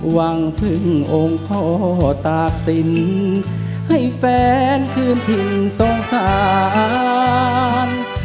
หวังพึ่งองค์พ่อตากศิลป์ให้แฟนคืนถิ่นสงสาร